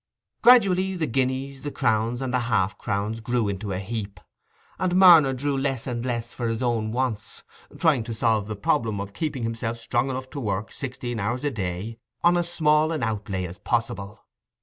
Gradually the guineas, the crowns, and the half crowns grew to a heap, and Marner drew less and less for his own wants, trying to solve the problem of keeping himself strong enough to work sixteen hours a day on as small an outlay as possible.